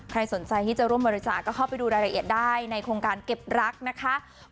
ใครสนใจที่จะร่วมบริจาคก็เข้าไปดูรายละเอียดได้ในโครงการเก็บรักนะคะ